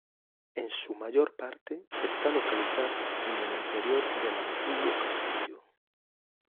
En su mayor parte está localizada en el interior del antiguo castillo.